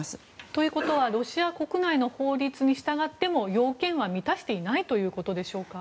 ということはロシア国内の法律に従っても要件は満たしていないということでしょうか。